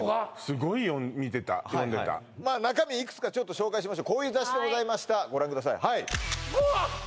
すごい見てた読んでた中身いくつか紹介しましょうこういう雑誌でございましたくわっ！